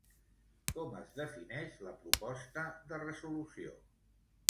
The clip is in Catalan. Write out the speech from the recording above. Com es defineix la proposta de resolució?